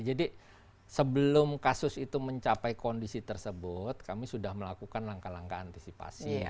jadi sebelum kasus itu mencapai kondisi tersebut kami sudah melakukan langkah langkah antisipasi